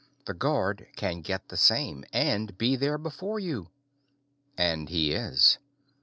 The guard can get the same and be there before you. And he is.